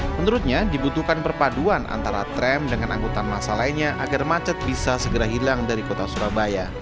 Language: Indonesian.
menurutnya dibutuhkan perpaduan antara tram dengan angkutan masa lainnya agar macet bisa segera hilang dari kota surabaya